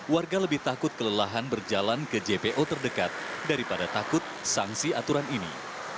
warga lebih takut kelelahan berjalan ke jpo terdekat daripada takut sanksi aturan ini